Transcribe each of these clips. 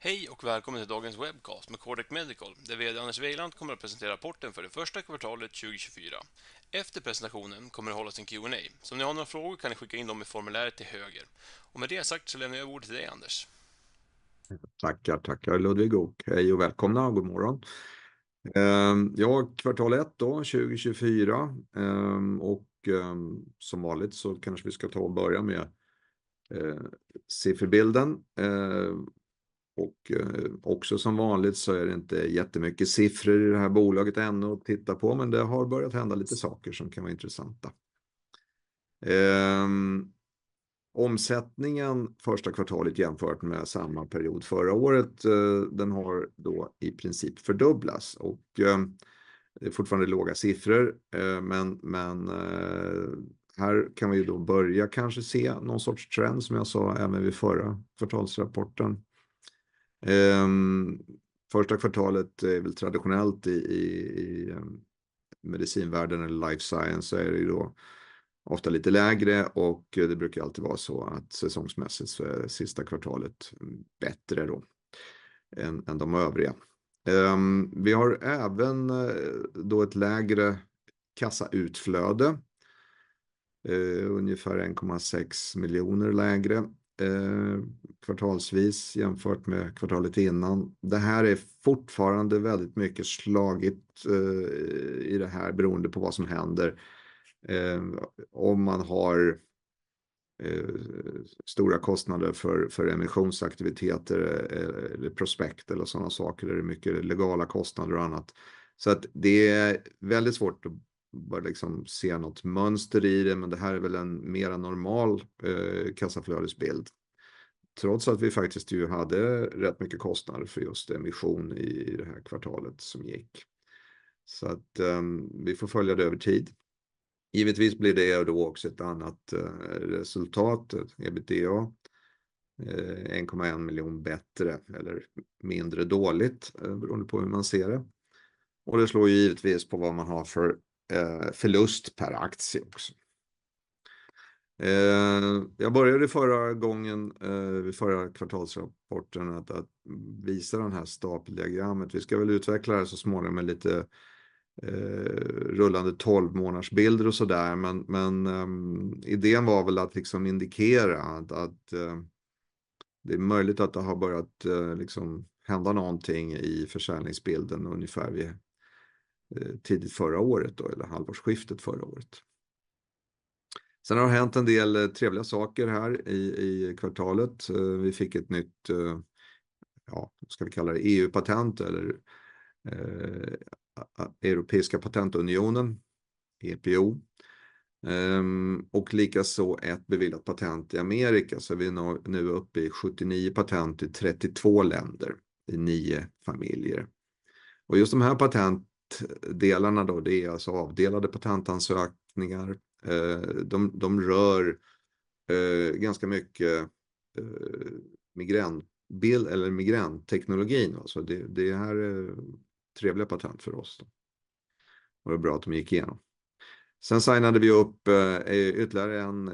Hej och välkommen till dagens webcast med Cordate Medical, där VD Anders Weiland kommer att presentera rapporten för det första kvartalet 2024. Efter presentationen kommer det att hållas en Q&A. Så om ni har några frågor kan ni skicka in dem i formuläret till höger. Och med det sagt så lämnar jag ordet till dig, Anders. Tackar, tackar Ludvig och hej och välkomna och god morgon! Ja, kvartal ett då, 2024. Som vanligt så kanske vi ska ta och börja med sifferbilden. Också som vanligt så är det inte jättemycket siffror i det här bolaget ännu att titta på, men det har börjat hända lite saker som kan vara intressanta. Omsättningen första kvartalet jämfört med samma period förra året, den har då i princip fördubblats och det är fortfarande låga siffror, men här kan vi då börja kanske se någon sorts trend som jag sa även vid förra kvartalsrapporten. Första kvartalet är väl traditionellt i medicinvärlden eller life science så är det ju då ofta lite lägre och det brukar alltid vara så att säsongsmässigt så är det sista kvartalet bättre då än de övriga. Vi har även då ett lägre kassautflöde, ungefär 1,6 miljoner lägre, kvartalsvis jämfört med kvartalet innan. Det här är fortfarande väldigt mycket slagit i det här, beroende på vad som händer. Om man har stora kostnader för emissionsaktiviteter, eller prospekt eller sådana saker, är det mycket legala kostnader och annat. Så det är väldigt svårt att bara se något mönster i det, men det här är väl en mer normal kassaflödesbild. Trots att vi faktiskt hade rätt mycket kostnader för just emission i det här kvartalet som gick. Så vi får följa det över tid. Givetvis blir det då också ett annat resultat, EBITDA. 1,1 miljoner bättre eller mindre dåligt, beroende på hur man ser det. Det slår givetvis på vad man har för förlust per aktie också. Jag började förra gången vid förra kvartalsrapporten att visa det här stapeldiagrammet. Vi ska väl utveckla det så småningom med lite rullande tolvmånadsbilder och sådär, men idén var väl att liksom indikera att det är möjligt att det har börjat liksom hända någonting i försäljningsbilden ungefär vid tidigt förra året då eller halvårsskiftet förra året. Sen har det hänt en del trevliga saker här i kvartalet. Vi fick ett nytt, ja, ska vi kalla det EU-patent eller Europeiska patentunionen, EPO. Likaså ett beviljat patent i Amerika. Så vi är nu uppe i sjuttionio patent i trettiotvå länder, i nio familjer. Just de här patentdelarna då, det är alltså avdelade patentansökningar. De rör ganska mycket migränbild eller migränteknologin. Det här är trevliga patent för oss. Det var bra att de gick igenom. Sen signade vi upp ytterligare en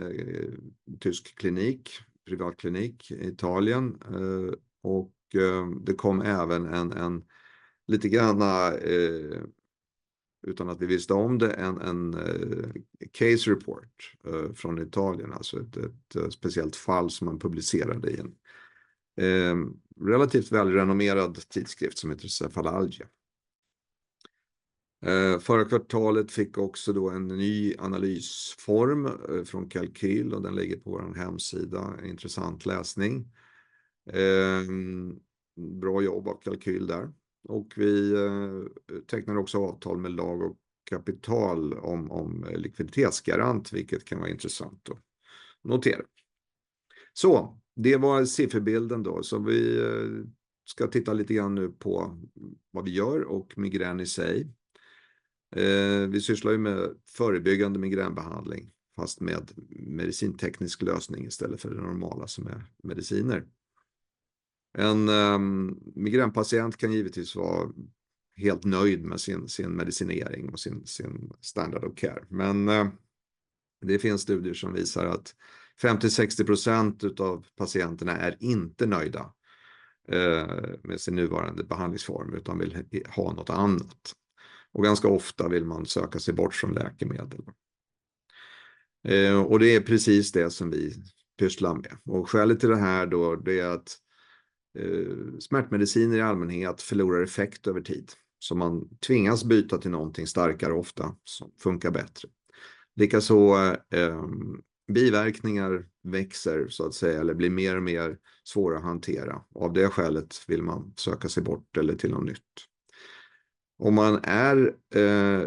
tysk klinik, privatklinik i Italien och det kom även en lite granna, utan att vi visste om det, en case report från Italien, alltså ett speciellt fall som man publicerade i en relativt välrenommerad tidskrift som heter Cefalalgia. Förra kvartalet fick också då en ny analysform från Kalkyl och den ligger på vår hemsida. Intressant läsning. Bra jobb av Kalkyl där. Vi tecknade också avtal med lag och kapital om likviditetsgarant, vilket kan vara intressant att notera. Det var sifferbilden då. Vi ska titta lite grann nu på vad vi gör och migrän i sig. Vi sysslar med förebyggande migränbehandling, fast med medicinteknisk lösning istället för det normala som är mediciner. En migränpatient kan givetvis vara helt nöjd med sin medicinering och sin standard of care. Men det finns studier som visar att 50-60% av patienterna är inte nöjda med sin nuvarande behandlingsform, utan vill ha något annat. Ganska ofta vill man söka sig bort från läkemedel. Det är precis det som vi pysslar med. Skälet till det här då, det är att smärtmediciner i allmänhet förlorar effekt över tid, så man tvingas byta till någonting starkare ofta, som funkar bättre. Likaså, biverkningar växer så att säga, eller blir mer och mer svåra att hantera. Av det skälet vill man söka sig bort eller till något nytt. Om man är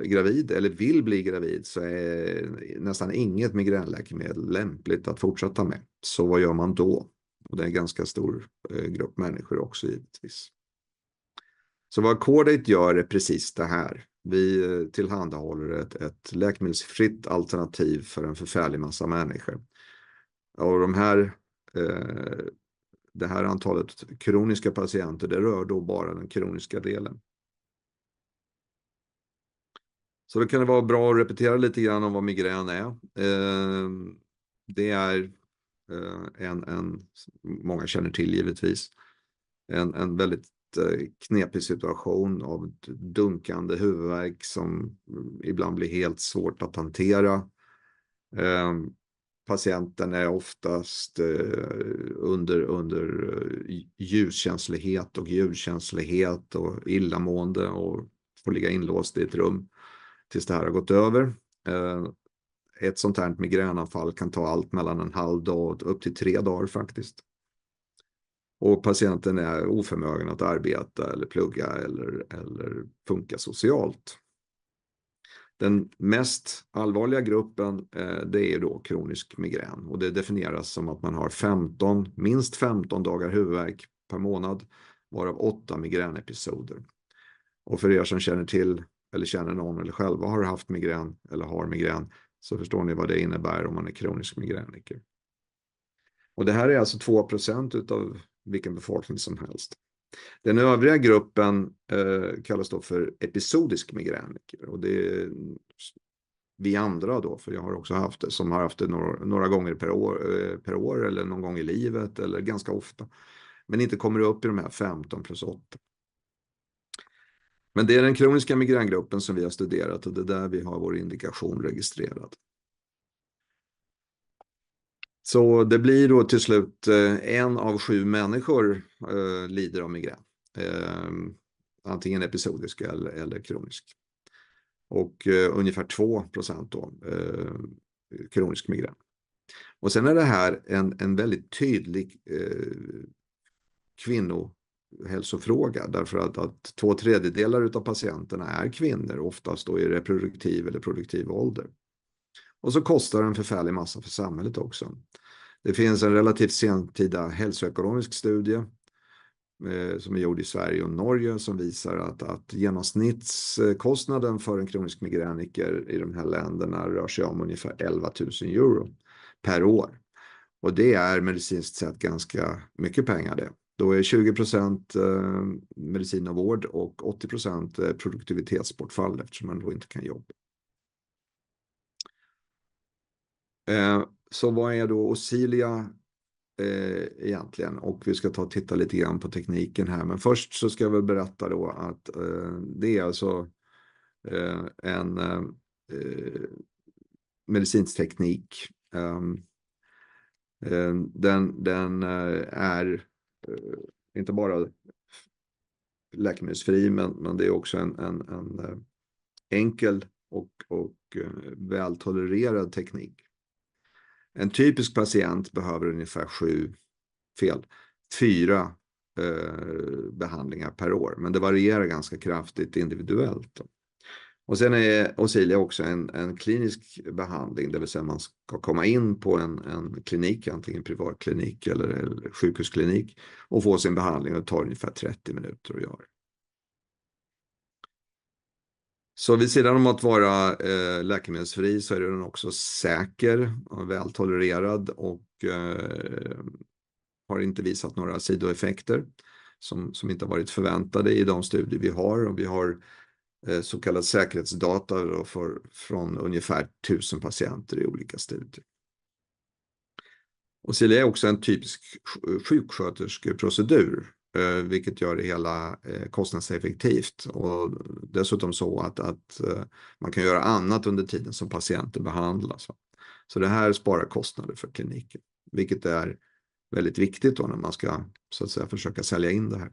gravid eller vill bli gravid så är nästan inget migränläkemedel lämpligt att fortsätta med. Så vad gör man då? Det är en ganska stor grupp människor också, givetvis. Så vad Cordate gör är precis det här. Vi tillhandahåller ett läkemedelsfritt alternativ för en förfärlig massa människor. Och de här, det här antalet kroniska patienter, det rör då bara den kroniska delen. Så det kan det vara bra att repetera lite grann om vad migrän är. Det är en, många känner till givetvis, en väldigt knepig situation av dunkande huvudvärk som ibland blir helt svårt att hantera. Patienten är oftast under ljuskänslighet och illamående och får ligga inlåst i ett rum tills det här har gått över. Ett sådant här migränanfall kan ta allt mellan en halv dag och upp till tre dagar faktiskt. Och patienten är oförmögen att arbeta eller plugga eller funka socialt. Den mest allvarliga gruppen, det är då kronisk migrän och det definieras som att man har femton, minst femton dagar huvudvärk per månad, varav åtta migränepisoder. Och för er som känner till eller känner någon eller själva har haft migrän eller har migrän, så förstår ni vad det innebär om man är kronisk migräniker. Och det här är alltså 2% av vilken befolkning som helst. Den övriga gruppen kallas då för episodisk migräniker och det är vi andra då, för jag har också haft det, som har haft det några gånger per år eller någon gång i livet eller ganska ofta, men inte kommer upp i de här femton plus åtta. Men det är den kroniska migrängruppen som vi har studerat och det är där vi har vår indikation registrerad. Så det blir då till slut en av sju människor lider av migrän, antingen episodisk eller kronisk. Och ungefär 2% då, kronisk migrän. Och sedan är det här en väldigt tydlig kvinnohälsofråga, därför att två tredjedelar av patienterna är kvinnor, oftast i reproduktiv eller produktiv ålder. Och så kostar det en förfärlig massa för samhället också. Det finns en relativt sentida hälsoekonomisk studie som är gjord i Sverige och Norge, som visar att genomsnittskostnaden för en kronisk migräniker i de här länderna rör sig om ungefär €11,000 per år. Och det är medicinskt sett ganska mycket pengar det. Då är 20% medicin och vård och 80% produktivitetsbortfall eftersom man då inte kan jobba. Så vad är då Osilia egentligen? Och vi ska ta och titta lite grann på tekniken här. Men först så ska jag väl berätta då att det är alltså en medicinsk teknik. Den är inte bara läkemedelsfri, men det är också en enkel och vältolererad teknik. En typisk patient behöver ungefär fyra behandlingar per år, men det varierar ganska kraftigt individuellt. Sedan är Osilia också en klinisk behandling, det vill säga man ska komma in på en klinik, antingen privat klinik eller sjukhusklinik och få sin behandling och det tar ungefär trettio minuter att göra det. Vid sidan om att vara läkemedelsfri så är den också säker och vältolererad och har inte visat några sidoeffekter som inte har varit förväntade i de studier vi har. Vi har så kallad säkerhetsdata från ungefär tusen patienter i olika studier. Osilia är också en typisk sjuksköterskeprocedur, vilket gör det hela kostnadseffektivt och dessutom så att man kan göra annat under tiden som patienten behandlas. Det här sparar kostnader för kliniken, vilket är väldigt viktigt när man ska försöka sälja in det här.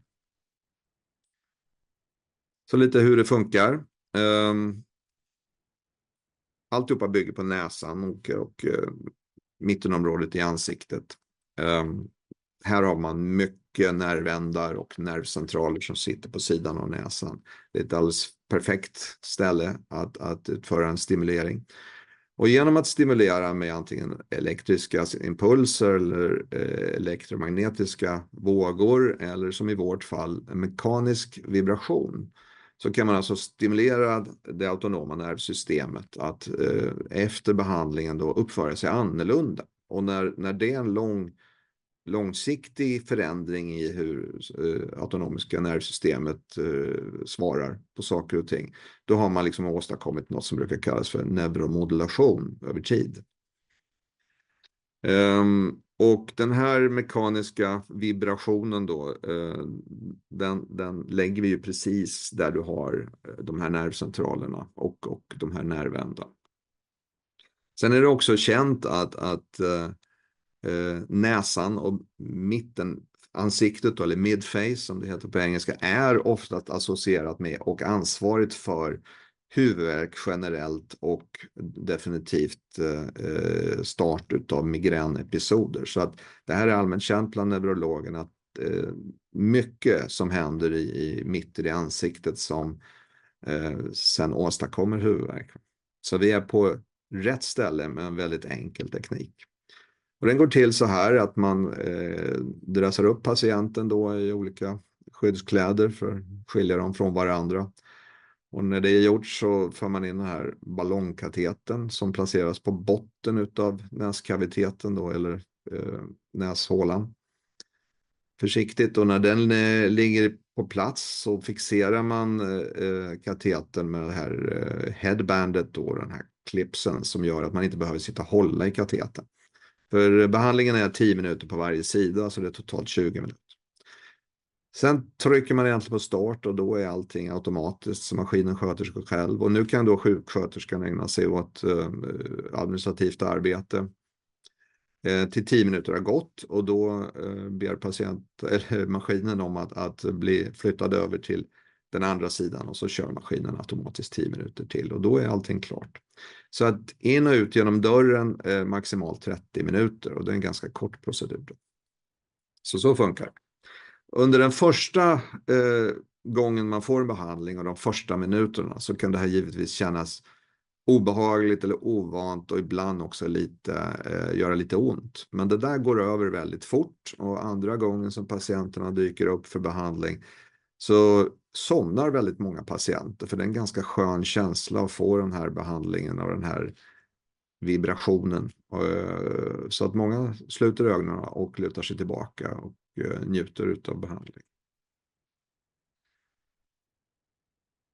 Så lite hur det funkar. Alltihopa bygger på näsan och mittenområdet i ansiktet. Här har man mycket nervändar och nervcentraler som sitter på sidan av näsan. Det är ett alldeles perfekt ställe att utföra en stimulering. Genom att stimulera med antingen elektriska impulser eller elektromagnetiska vågor, eller som i vårt fall, mekanisk vibration, så kan man stimulera det autonoma nervsystemet att efter behandlingen uppföra sig annorlunda. När det är en långsiktig förändring i hur det autonomiska nervsystemet svarar på saker och ting, då har man åstadkommit något som brukar kallas för neuromodulation över tid. Den här mekaniska vibrationen lägger vi precis där du har de här nervcentralerna och nervändarna. Sen är det också känt att näsan och mittenansiktet, eller mid face som det heter på engelska, är oftast associerat med och ansvarigt för huvudvärk generellt och definitivt start utav migränepisoder. Så det här är allmänt känt bland neurologerna att mycket som händer i mitten i ansiktet sedan åstadkommer huvudvärk. Så vi är på rätt ställe med en väldigt enkel teknik. Den går till så här att man klär upp patienten i olika skyddskläder för att skilja dem från varandra. När det är gjort så för man in den här ballongkatetorn som placeras på botten utav näskaviteten eller näshålan. Försiktigt och när den ligger på plats så fixerar man katetorn med det här headbandet, den här clipsen som gör att man inte behöver sitta och hålla i katetorn. Behandlingen är tio minuter på varje sida, så det är totalt tjugo minuter. Sen trycker man egentligen på start och då är allting automatiskt så maskinen sköter sig själv. Nu kan då sjuksköterskan ägna sig åt administrativt arbete till tio minuter har gått och då ber patient, eller maskinen om att bli flyttad över till den andra sidan och så kör maskinen automatiskt tio minuter till och då är allting klart. In och ut genom dörren, maximalt trettio minuter och det är en ganska kort procedur. Så funkar det. Under den första gången man får en behandling och de första minuterna så kan det här givetvis kännas obehagligt eller ovant och ibland också lite, göra lite ont. Men det där går över väldigt fort och andra gången som patienterna dyker upp för behandling så somnar väldigt många patienter för det är en ganska skön känsla att få den här behandlingen och den här vibrationen. Så att många sluter ögonen och lutar sig tillbaka och njuter av behandlingen.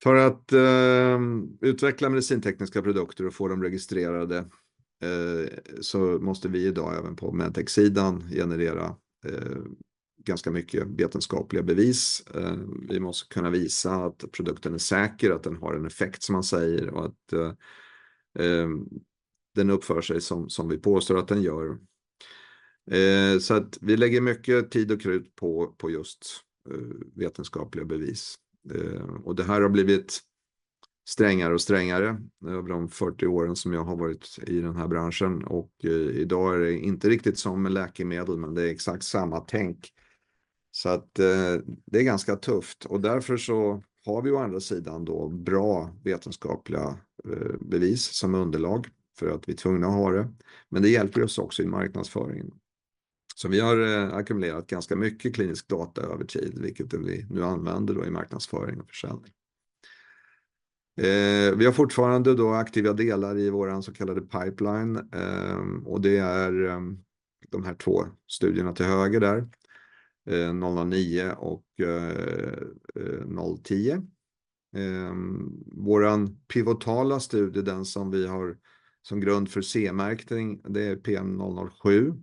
För att utveckla medicintekniska produkter och få dem registrerade, så måste vi idag även på Medtech-sidan generera ganska mycket vetenskapliga bevis. Vi måste kunna visa att produkten är säker, att den har en effekt som man säger och att den uppför sig som vi påstår att den gör. Så att vi lägger mycket tid och krut på just vetenskapliga bevis. Det här har blivit strängare och strängare över de fyrtio åren som jag har varit i den här branschen och idag är det inte riktigt som med läkemedel, men det är exakt samma tänk. Det är ganska tufft och därför så har vi å andra sidan då bra vetenskapliga bevis som underlag för att vi är tvungna att ha det, men det hjälper oss också i marknadsföringen. Vi har ackumulerat ganska mycket klinisk data över tid, vilket vi nu använder i marknadsföring och försäljning. Vi har fortfarande aktiva delar i vår så kallade pipeline och det är de här två studierna till höger där, noll nio och noll tio. Vår pivotala studie, den som vi har som grund för CE-märkning, det är PM007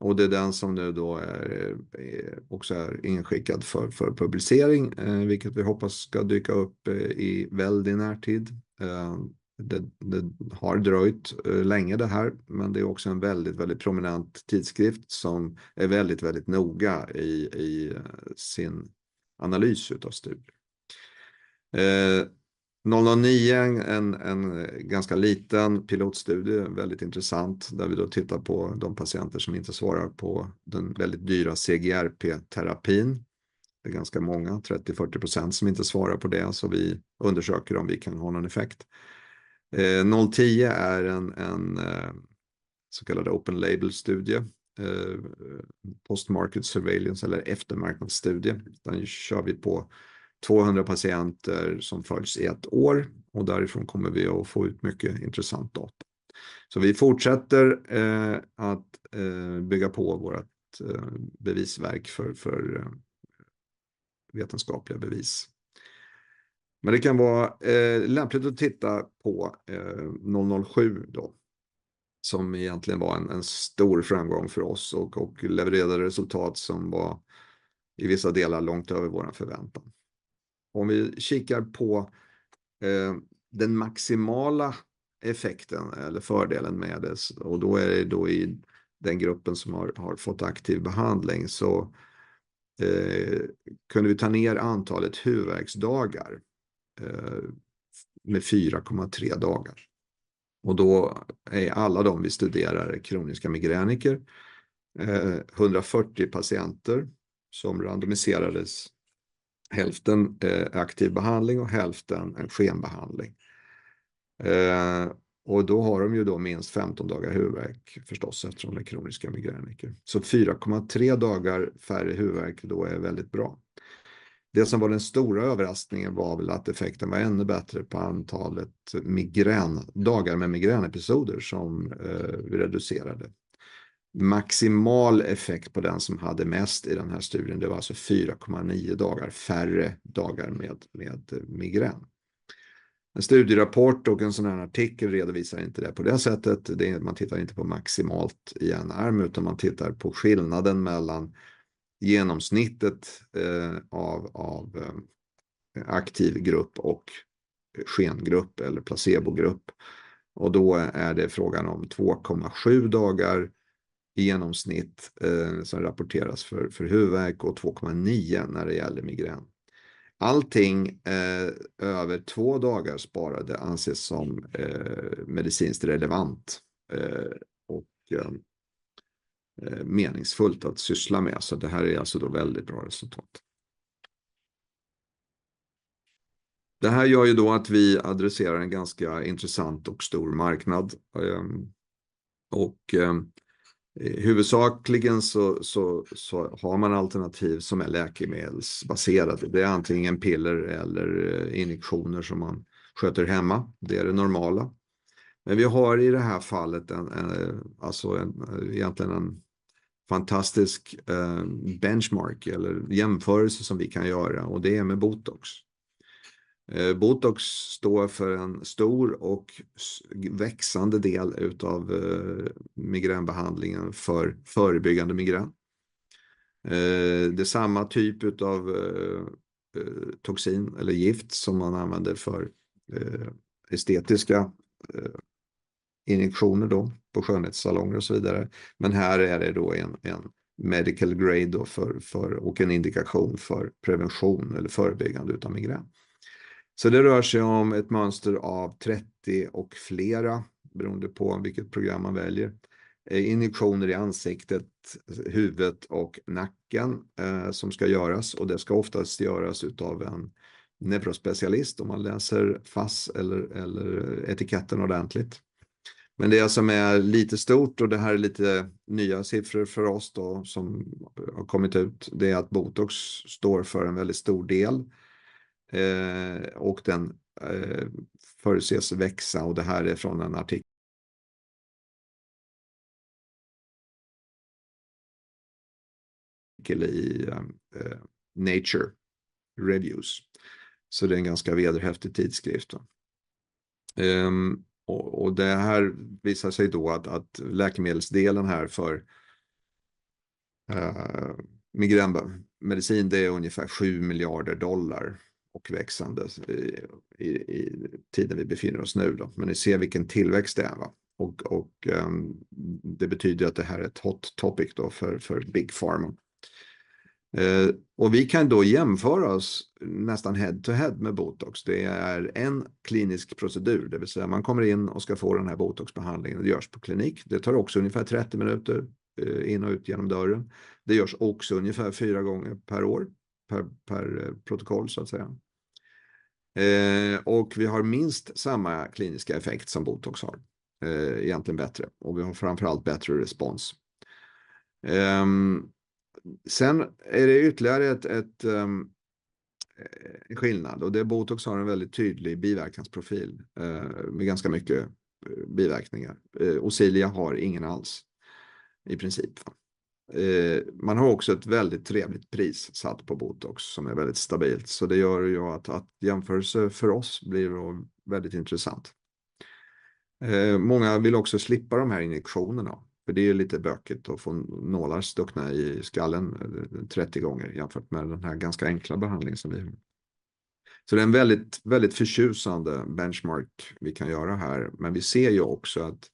och det är den som nu är också inskickad för publicering, vilket vi hoppas ska dyka upp i väldigt närtid. Det har dröjt länge det här, men det är också en väldigt, väldigt prominent tidskrift som är väldigt, väldigt noga i sin analys av studier. Noll nio, en ganska liten pilotstudie, väldigt intressant, där vi tittar på de patienter som inte svarar på den väldigt dyra CGRP-terapin. Det är ganska många, 30-40% som inte svarar på det, så vi undersöker om vi kan ha någon effekt. 010 är en så kallad open label-studie, post-market surveillance eller eftermarknadsstudie. Den kör vi på 200 patienter som följs i ett år och därifrån kommer vi att få ut mycket intressant data. Vi fortsätter att bygga på vårt bevisverk för vetenskapliga bevis. Men det kan vara lämpligt att titta på 007 då, som egentligen var en stor framgång för oss och levererade resultat som var i vissa delar långt över vår förväntan. Om vi kikar på den maximala effekten eller fördelen med det, och då är det i den gruppen som har fått aktiv behandling, så kunde vi ta ner antalet huvudvärksdagar med 4,3 dagar. Och då är alla de vi studerar kroniska migräniker, hundrafyrtio patienter som randomiserades, hälften aktiv behandling och hälften en skenbehandling. Då har de ju minst femton dagar huvudvärk, förstås eftersom de är kroniska migräniker. Så 4,3 dagar färre huvudvärk då är väldigt bra. Det som var den stora överraskningen var väl att effekten var ännu bättre på antalet migrändagar med migränepisoder som reducerade. Maximal effekt på den som hade mest i den här studien, det var alltså 4,9 dagar, färre dagar med migrän. En studierapport och en sådan här artikel redovisar inte det på det sättet. Man tittar inte på maximalt i en arm, utan man tittar på skillnaden mellan genomsnittet av aktiv grupp och skengrupp eller placebogrupp. Och då är det frågan om 2,7 dagar i genomsnitt som rapporteras för huvudvärk och 2,9 när det gäller migrän. Allting över två dagar sparade anses som medicinskt relevant och meningsfullt att syssla med. Det här är väldigt bra resultat. Det här gör att vi adresserar en ganska intressant och stor marknad. Huvudsakligen har man alternativ som är läkemedelsbaserade. Det är antingen piller eller injektioner som man sköter hemma. Det är det normala. Men vi har i det här fallet en fantastisk benchmark eller jämförelse som vi kan göra och det är med Botox. Botox står för en stor och växande del av migränbehandlingen för förebyggande migrän. Det är samma typ av toxin eller gift som man använder för estetiska injektioner på skönhetssalonger och så vidare. Men här är det då en medical grade då för och en indikation för prevention eller förebyggande av migrän. Så det rör sig om ett mönster av 30 och flera, beroende på vilket program man väljer, injektioner i ansiktet, huvudet och nacken som ska göras och det ska oftast göras utav en neurospecialist om man läser FASS eller etiketten ordentligt. Men det som är lite stort och det här är lite nya siffror för oss då, som har kommit ut, det är att Botox står för en väldigt stor del och den förutses växa och det här är från en artikel i Nature Reviews. Så det är en ganska vederhäftig tidskrift då. Det här visar sig då att läkemedelsdelen här för migränmedicin, det är ungefär $7 miljarder och växande i tiden vi befinner oss nu då. Men ni ser vilken tillväxt det är va? Och det betyder att det här är ett hot topic för big pharma. Och vi kan då jämföra oss nästan head to head med Botox. Det är en klinisk procedur, det vill säga man kommer in och ska få den här Botox-behandlingen. Det görs på klinik. Det tar också ungefär trettio minuter in och ut genom dörren. Det görs också ungefär fyra gånger per år, per protokoll så att säga. Och vi har minst samma kliniska effekt som Botox har, egentligen bättre och vi har framför allt bättre respons. Sen är det ytterligare en skillnad och det är att Botox har en väldigt tydlig biverkningsprofil med ganska mycket biverkningar. Ozilia har ingen alls, i princip. Man har också ett väldigt trevligt pris satt på Botox som är väldigt stabilt, så det gör ju att jämförelsen för oss blir väldigt intressant. Många vill också slippa de här injektionerna, för det är lite bökigt att få nålar stuckna i skallen trettio gånger jämfört med den här ganska enkla behandlingen som vi har. Så det är en väldigt, väldigt förtjusande benchmark vi kan göra här, men vi ser ju också att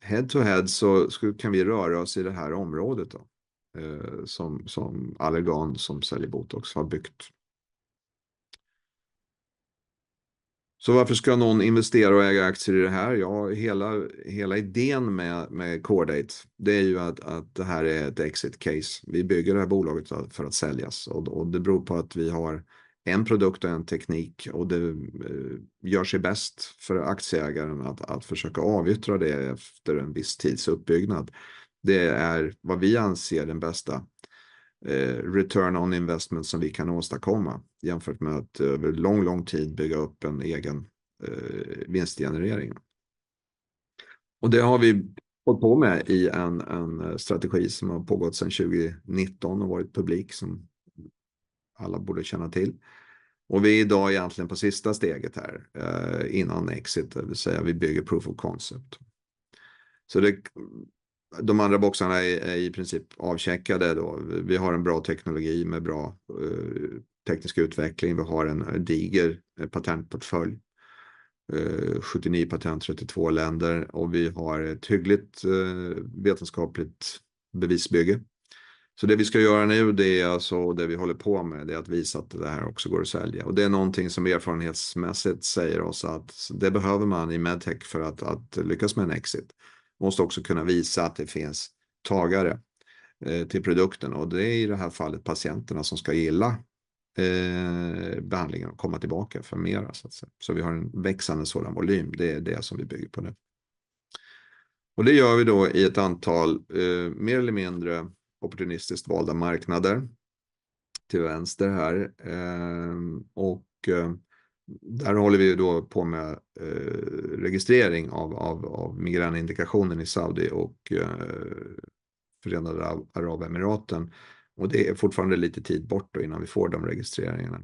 head to head så kan vi röra oss i det här området då, som Allergan, som säljer Botox, har byggt. Så varför ska någon investera och äga aktier i det här? Ja, hela idén med Cordate, det är ju att det här är ett exit case. Vi bygger det här bolaget för att säljas och det beror på att vi har en produkt och en teknik och det gör sig bäst för aktieägaren att försöka avyttra det efter en viss tids uppbyggnad. Det är vad vi anser den bästa return on investment som vi kan åstadkomma, jämfört med att över lång, lång tid bygga upp en egen vinstgenerering. Och det har vi hållit på med i en strategi som har pågått sedan 2019 och varit publik som alla borde känna till. Och vi är idag egentligen på sista steget här innan exit, det vill säga vi bygger proof of concept. Så de andra boxarna är i princip avcheckade då. Vi har en bra teknologi med bra teknisk utveckling. Vi har en diger patentportfölj, sjuttionio patent, trettiotvå länder och vi har ett hyggligt vetenskapligt bevisbygge. Så det vi ska göra nu, det är alltså, det vi håller på med, det är att visa att det här också går att sälja. Och det är någonting som erfarenhetsmässigt säger oss att det behöver man i Medtech för att lyckas med en exit. Man måste också kunna visa att det finns tagare till produkten och det är i det här fallet patienterna som ska gilla behandlingen och komma tillbaka för mera så att säga. Vi har en växande sådan volym. Det är det som vi bygger på nu. Och det gör vi i ett antal mer eller mindre opportunistiskt valda marknader. Till vänster här. Och där håller vi på med registrering av migränindikationen i Saudi och Förenade Arabemiraten. Och det är fortfarande lite tid bort innan vi får de registreringarna.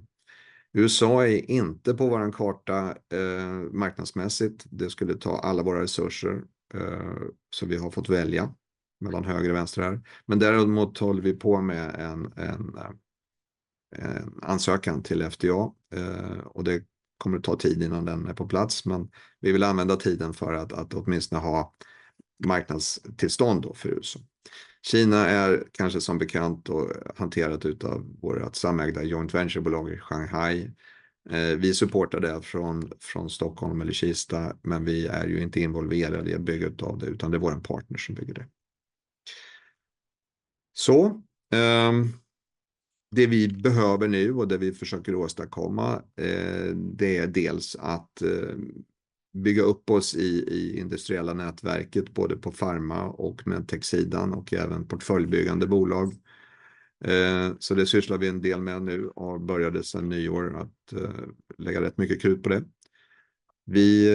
USA är inte på vår karta marknadsmässigt. Det skulle ta alla våra resurser, så vi har fått välja mellan höger och vänster här. Men däremot håller vi på med en ansökan till FDA och det kommer att ta tid innan den är på plats, men vi vill använda tiden för att åtminstone ha marknadstillstånd för USA. Kina är kanske som bekant hanterat utav vårt samägda Joint Venture-bolag i Shanghai. Vi supportar det från Stockholm eller Kista, men vi är ju inte involverade i att bygga ut av det, utan det är vår partner som bygger det. Så det vi behöver nu och det vi försöker åstadkomma, det är dels att bygga upp oss i industriella nätverket, både på Pharma och Medtech-sidan och även portföljbyggande bolag. Så det sysslar vi en del med nu och började sedan nyår att lägga rätt mycket krut på det. Vi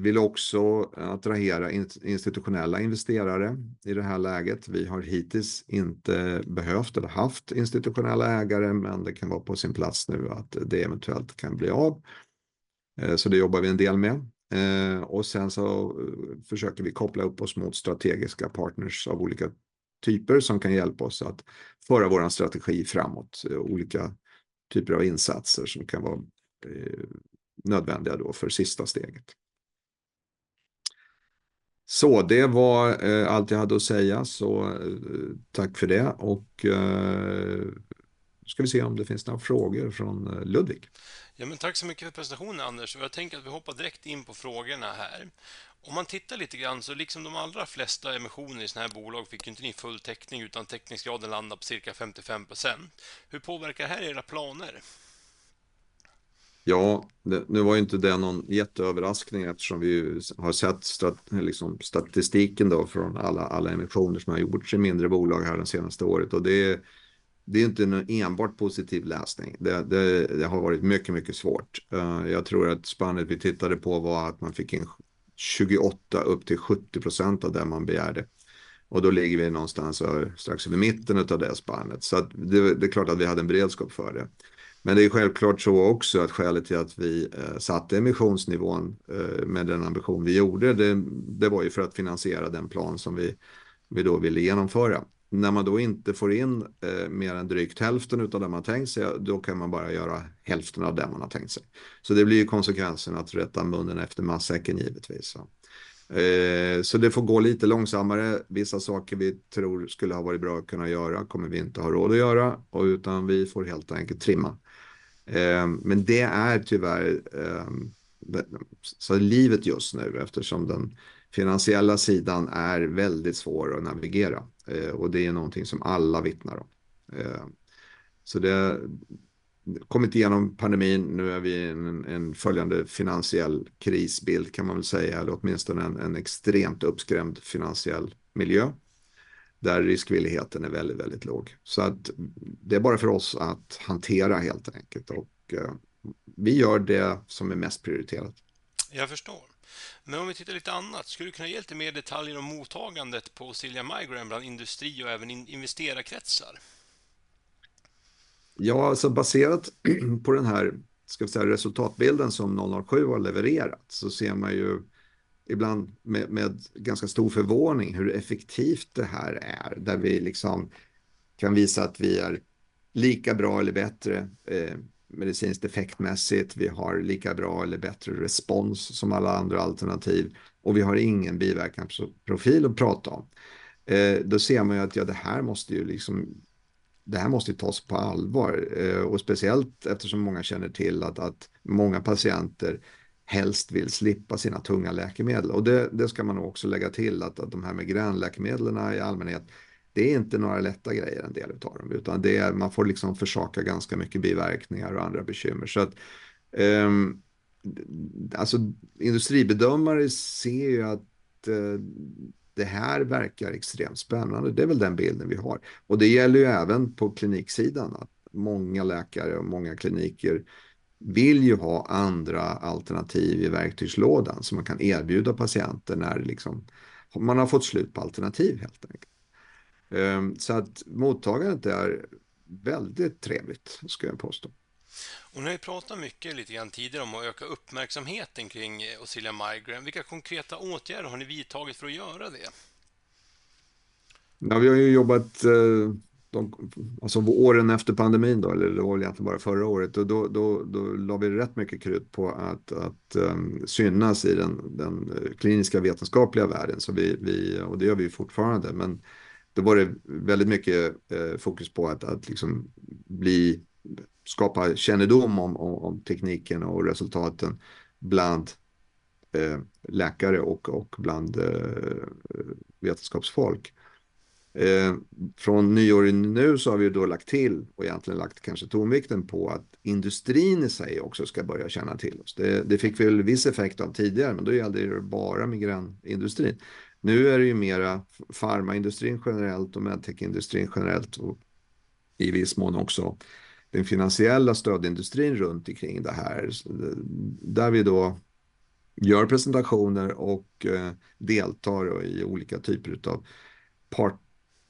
vill också attrahera institutionella investerare i det här läget. Vi har hittills inte behövt eller haft institutionella ägare, men det kan vara på sin plats nu att det eventuellt kan bli av. Det jobbar vi en del med. Sen försöker vi koppla upp oss mot strategiska partners av olika typer som kan hjälpa oss att föra vår strategi framåt. Olika typer av insatser som kan vara nödvändiga för sista steget. Det var allt jag hade att säga, så tack för det och ska vi se om det finns några frågor från Ludvig. Ja, men tack så mycket för presentationen, Anders. Jag tänker att vi hoppar direkt in på frågorna här. Om man tittar lite grann, så liksom de allra flesta emissioner i sådana här bolag fick inte ni full teckning, utan teckningsgraden landar på cirka 55%. Hur påverkar det här era planer? Ja, nu var inte det någon jätteöverraskning eftersom vi ju har sett statistiken från alla emissioner som har gjort sig i mindre bolag här det senaste året. Och det är inte en enbart positiv läsning. Det har varit mycket, mycket svårt. Jag tror att spannet vi tittade på var att man fick in 28% upp till 70% av det man begärde. Och då ligger vi någonstans strax över mitten utav det spannet. Så att det är klart att vi hade en beredskap för det. Men det är självklart så också att skälet till att vi satte emissionsnivån med den ambition vi gjorde, det var ju för att finansiera den plan som vi då ville genomföra. När man då inte får in mer än drygt hälften utav det man tänkt sig, då kan man bara göra hälften av det man har tänkt sig. Det blir konsekvensen att rätta munnen efter matsäcken, givetvis. Det får gå lite långsammare. Vissa saker vi tror skulle ha varit bra att kunna göra, kommer vi inte ha råd att göra, utan vi får helt enkelt trimma. Men det är tyvärr så livet just nu, eftersom den finansiella sidan är väldigt svår att navigera och det är någonting som alla vittnar om. Det kom inte igenom pandemin. Nu är vi i en följande finansiell krisbild kan man väl säga, eller åtminstone en extremt uppskrämd finansiell miljö, där riskvilligheten är väldigt, väldigt låg. Det är bara för oss att hantera helt enkelt, och vi gör det som är mest prioriterat. Jag förstår. Men om vi tittar lite annat, skulle du kunna ge lite mer detaljer om mottagandet av Oscilia Migraine bland industri och även investerarkretsar? Ja, alltså baserat på den här, ska vi säga, resultatbilden som 007 har levererat, så ser man ju ibland med, med ganska stor förvåning hur effektivt det här är, där vi liksom kan visa att vi är lika bra eller bättre medicinskt effektmässigt. Vi har lika bra eller bättre respons som alla andra alternativ och vi har ingen biverkanprofil att prata om. Då ser man ju att det här måste ju liksom, det här måste tas på allvar. Speciellt eftersom många känner till att många patienter helst vill slippa sina tunga läkemedel. Det ska man också lägga till att de här migränläkemedlen i allmänhet, det är inte några lätta grejer, en del utav dem, utan det är, man får liksom försaka ganska mycket biverkningar och andra bekymmer. Så alltså, industribedömare ser ju att det här verkar extremt spännande. Det är väl den bilden vi har och det gäller även på kliniksidan. Många läkare och många kliniker vill ju ha andra alternativ i verktygslådan som man kan erbjuda patienten när man har fått slut på alternativ helt enkelt. Så att mottagandet är väldigt trevligt, skulle jag påstå. Och ni har pratat mycket lite grann tidigare om att öka uppmärksamheten kring Oscilia Migraine. Vilka konkreta åtgärder har ni vidtagit för att göra det? Ja, vi har ju jobbat de, alltså åren efter pandemin då, eller det var egentligen bara förra året, då la vi rätt mycket krut på att synas i den kliniska vetenskapliga världen. Så vi, och det gör vi fortfarande, men då var det väldigt mycket fokus på att liksom bli, skapa kännedom om tekniken och resultaten bland läkare och bland vetenskapsfolk. Från nyår nu så har vi då lagt till och egentligen lagt kanske tonvikten på att industrin i sig också ska börja känna till oss. Det fick vi en viss effekt av tidigare, men då är det bara migränindustrin. Nu är det ju mera farmaindustrin generellt och medtech-industrin generellt och i viss mån också den finansiella stödindustrin runt omkring det här, där vi då gör presentationer och deltar i olika typer av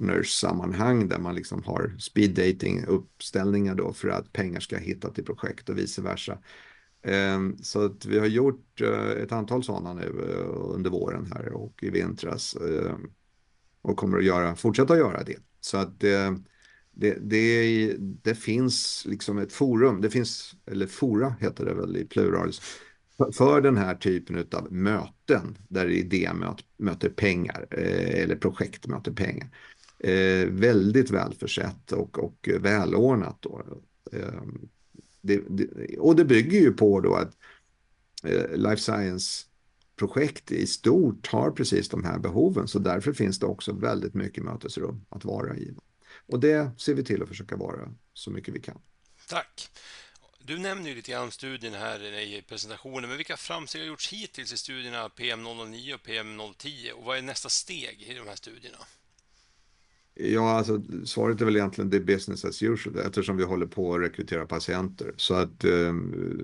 partnersammanhang där man liksom har speed dating-uppställningar för att pengar ska hitta till projekt och vice versa. Så att vi har gjort ett antal sådana nu under våren här och i vintras, och kommer att fortsätta att göra det. Så att det finns liksom ett forum, det finns eller fora heter det väl i pluralis, för den här typen av möten, där idé möter pengar eller projekt möter pengar. Väldigt välförsett och välordnat då. Det bygger ju på då att life science-projekt i stort har precis de här behoven, så därför finns det också väldigt mycket mötesrum att vara i. Och det ser vi till att försöka vara så mycket vi kan. Tack! Du nämner ju lite grann studien här i presentationen, men vilka framsteg har gjorts hittills i studierna PM009 och PM010? Och vad är nästa steg i de här studierna? Ja, alltså, svaret är väl egentligen det business as usual, eftersom vi håller på att rekrytera patienter. Så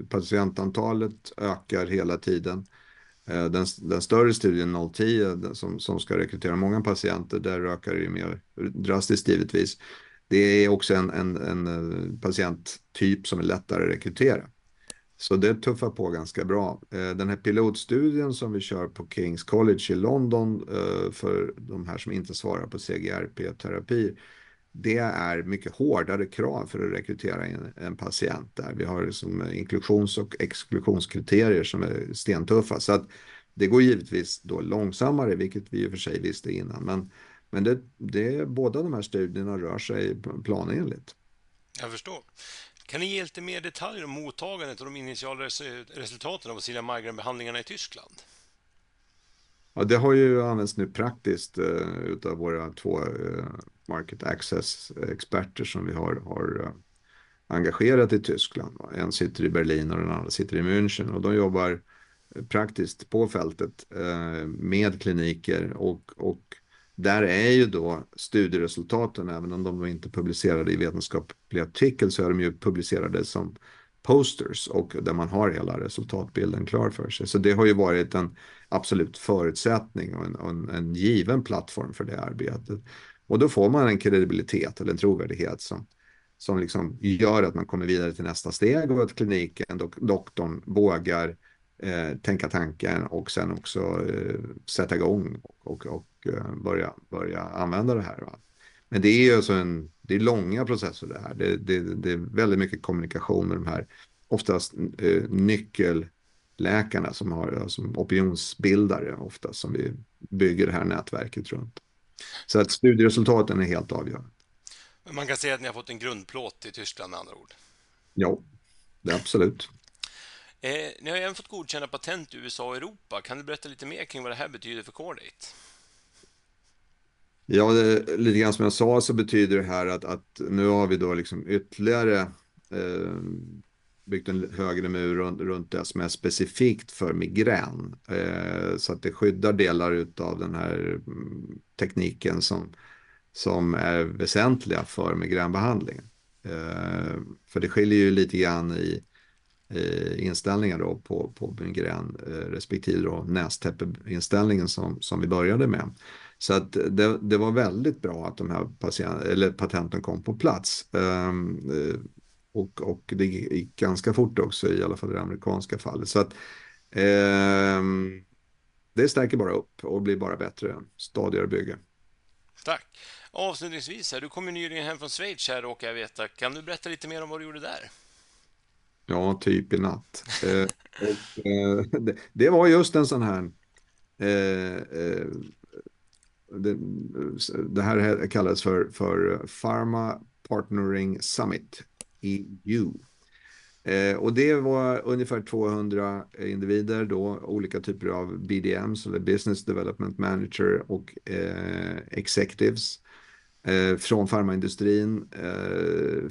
patientantalet ökar hela tiden. Den större studien noll tio, som ska rekrytera många patienter, där ökar det mer drastiskt givetvis. Det är också en patienttyp som är lättare att rekrytera. Så det tuffar på ganska bra. Den här pilotstudien som vi kör på King's College i London, för de här som inte svarar på CGRP-terapi, det är mycket hårdare krav för att rekrytera in en patient där. Vi har liksom inklusions- och exklusionskriterier som är stentuffa. Så det går givetvis då långsammare, vilket vi i och för sig visste innan. Men det är både de här studierna rör sig planenligt. Jag förstår. Kan ni ge lite mer detaljer om mottagandet och de initiala resultaten av Osilia-migränbehandlingarna i Tyskland? Ja, det har ju använts nu praktiskt utav våra två Market Access-experter som vi har, har engagerat i Tyskland. En sitter i Berlin och den andra sitter i München och de jobbar praktiskt på fältet med kliniker och, och där är ju då studieresultaten, även om de inte publicerade i vetenskapliga artiklar, så är de ju publicerade som posters och där man har hela resultatbilden klar för sig. Så det har ju varit en absolut förutsättning och en given plattform för det arbetet. Och då får man en kredibilitet eller trovärdighet som, som liksom gör att man kommer vidare till nästa steg och att kliniken, doktorn vågar tänka tankar och sedan också sätta i gång och, och börja, börja använda det här. Men det är alltså en, det är långa processer det här. Det är väldigt mycket kommunikation med de här oftast nyckelläkarna som har, som opinionsbildare oftast, som vi bygger det här nätverket runt. Så att studieresultaten är helt avgörande. Man kan säga att ni har fått en grundplåt i Tyskland med andra ord? Ja, absolut. Ni har även fått godkänna patent i USA och Europa. Kan du berätta lite mer kring vad det här betyder för Cordate? Ja, lite grann som jag sa så betyder det här att nu har vi då liksom ytterligare byggt en högre mur runt det som är specifikt för migrän. Så att det skyddar delar av den här tekniken som är väsentliga för migränbehandling. För det skiljer ju lite grann i inställningen då på migrän respektive då nästäppeinställningen som vi började med. Så att det var väldigt bra att de här patenten kom på plats. Och det gick ganska fort också, i alla fall i det amerikanska fallet. Så att det stärker bara upp och blir bara bättre, stadigare bygge. Tack! Avslutningsvis här, du kommer nyligen hem från Schweiz här råkar jag veta. Kan du berätta lite mer om vad du gjorde där? Ja, typ i natt. Det var just en sådan här... det här kallas för Pharma Partnering Summit EU. Och det var ungefär tvåhundra individer, då olika typer av BDMs eller Business Development Manager och Executives från Pharmaindustrin,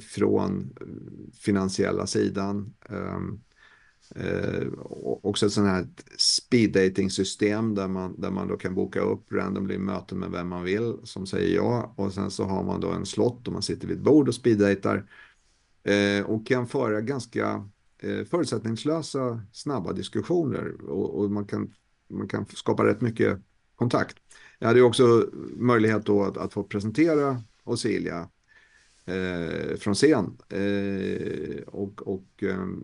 från finansiella sidan. Också ett sådant här speeddatingsystem där man kan boka upp randomly möten med vem man vill, som säger ja. Och sen så har man då en slott och man sitter vid ett bord och speeddatar, och kan föra ganska förutsättningslösa, snabba diskussioner och man kan skapa rätt mycket kontakt. Jag hade också möjlighet då att få presentera Osilia från scen. Och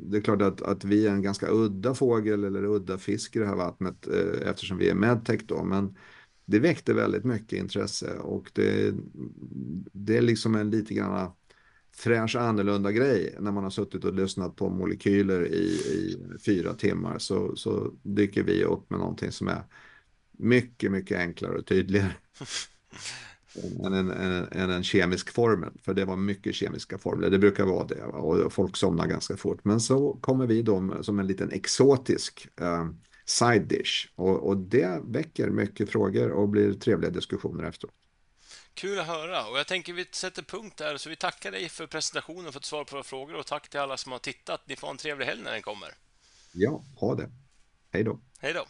det är klart att vi är en ganska udda fågel eller udda fisk i det här vattnet eftersom vi är Medtech då, men det väckte väldigt mycket intresse och det är liksom en lite grann annorlunda grej. När man har suttit och lyssnat på molekyler i fyra timmar så dyker vi upp med någonting som är mycket, mycket enklare och tydligare än en kemisk formel, för det var mycket kemiska formler. Det brukar vara det och folk somnar ganska fort. Men så kommer vi då som en liten exotisk side dish och det väcker mycket frågor och blir trevliga diskussioner efteråt. Kul att höra och jag tänker vi sätter punkt där. Så vi tackar dig för presentationen, för att svara på våra frågor och tack till alla som har tittat. Ni får ha en trevlig helg när den kommer. Ja, ha det. Hejdå! Hejdå.